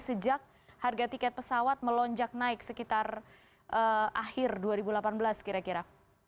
sejak harga tiket pesawat melonjak naik sekitar akhir dua ribu delapan belas kira kira